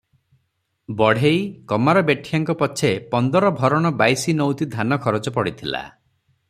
ବଢ଼େଇ, କମାର ବେଠିଆଙ୍କ ପଛେ ପନ୍ଦର ଭରଣ ବାଇଶି ନଉତି ଧାନ ଖରଚ ପଡିଥିଲା ।